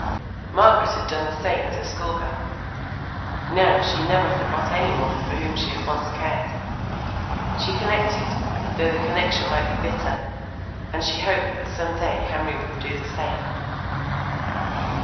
Margaret had done the same as a schoolgirl. Now she never forgot anyone for whom she had once cared; she connected, though the connection might be bitter, and she hoped that some day Henry would do the same.